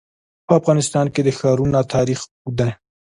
په افغانستان کې د ښارونه تاریخ اوږد دی.